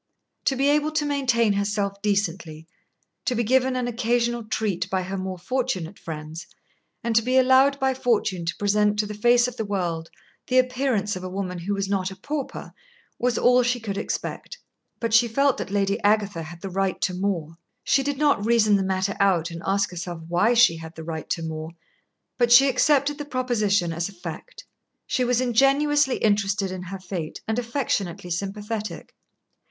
To be able to maintain herself decently, to be given an occasional treat by her more fortunate friends, and to be allowed by fortune to present to the face of the world the appearance of a woman who was not a pauper, was all she could expect. But she felt that Lady Agatha had the right to more. She did not reason the matter out and ask herself why she had the right to more, but she accepted the proposition as a fact. She was ingenuously interested in her fate, and affectionately sympathetic.